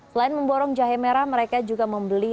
selain memborong jahe merah mereka juga membeli